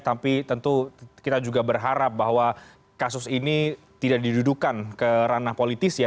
tapi tentu kita juga berharap bahwa kasus ini tidak didudukan ke ranah politis ya